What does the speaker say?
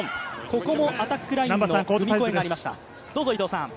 ここもアタックラインの踏み越えがありました。